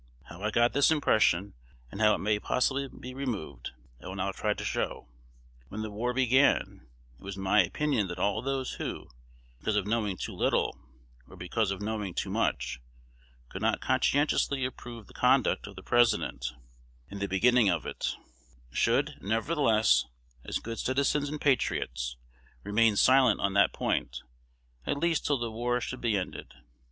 How I got this impression, and how it may possibly be removed, I will now try to show. When the war began, it was my opinion that all those who, because of knowing too little, or because of knowing too much, could not conscientiously approve the conduct of the President (in the beginning of it), should, nevertheless, as good citizens and patriots, remain silent on that point, at least till the war should be ended.